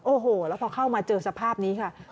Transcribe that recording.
โอ้โหแล้วพอเข้ามาเจอสภาพนี้ค่ะ